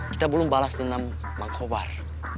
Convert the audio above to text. kita belum balas dendam bang kovar